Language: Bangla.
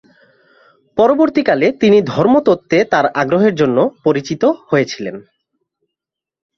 পরবর্তীকালে তিনি ধর্মতত্ত্বে তার আগ্রহের জন্য পরিচিত হয়েছিলেন।